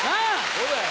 そうだよ！